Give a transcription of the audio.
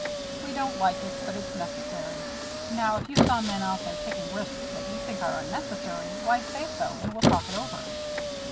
We don't like it, but it's necessary. Now, if you saw men out there taking risks that you think are unnecessary, why, say so, and we'll talk it over."